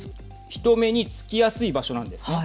人目につきやすい場所なんですね。